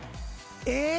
えっ？